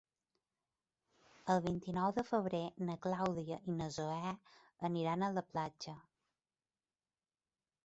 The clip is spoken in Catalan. El vint-i-nou de febrer na Clàudia i na Zoè aniran a la platja.